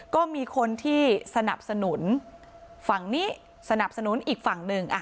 ก็มีคนที่สนับสนุนฝั่งนี้สนับสนุนอีกฝั่งหนึ่ง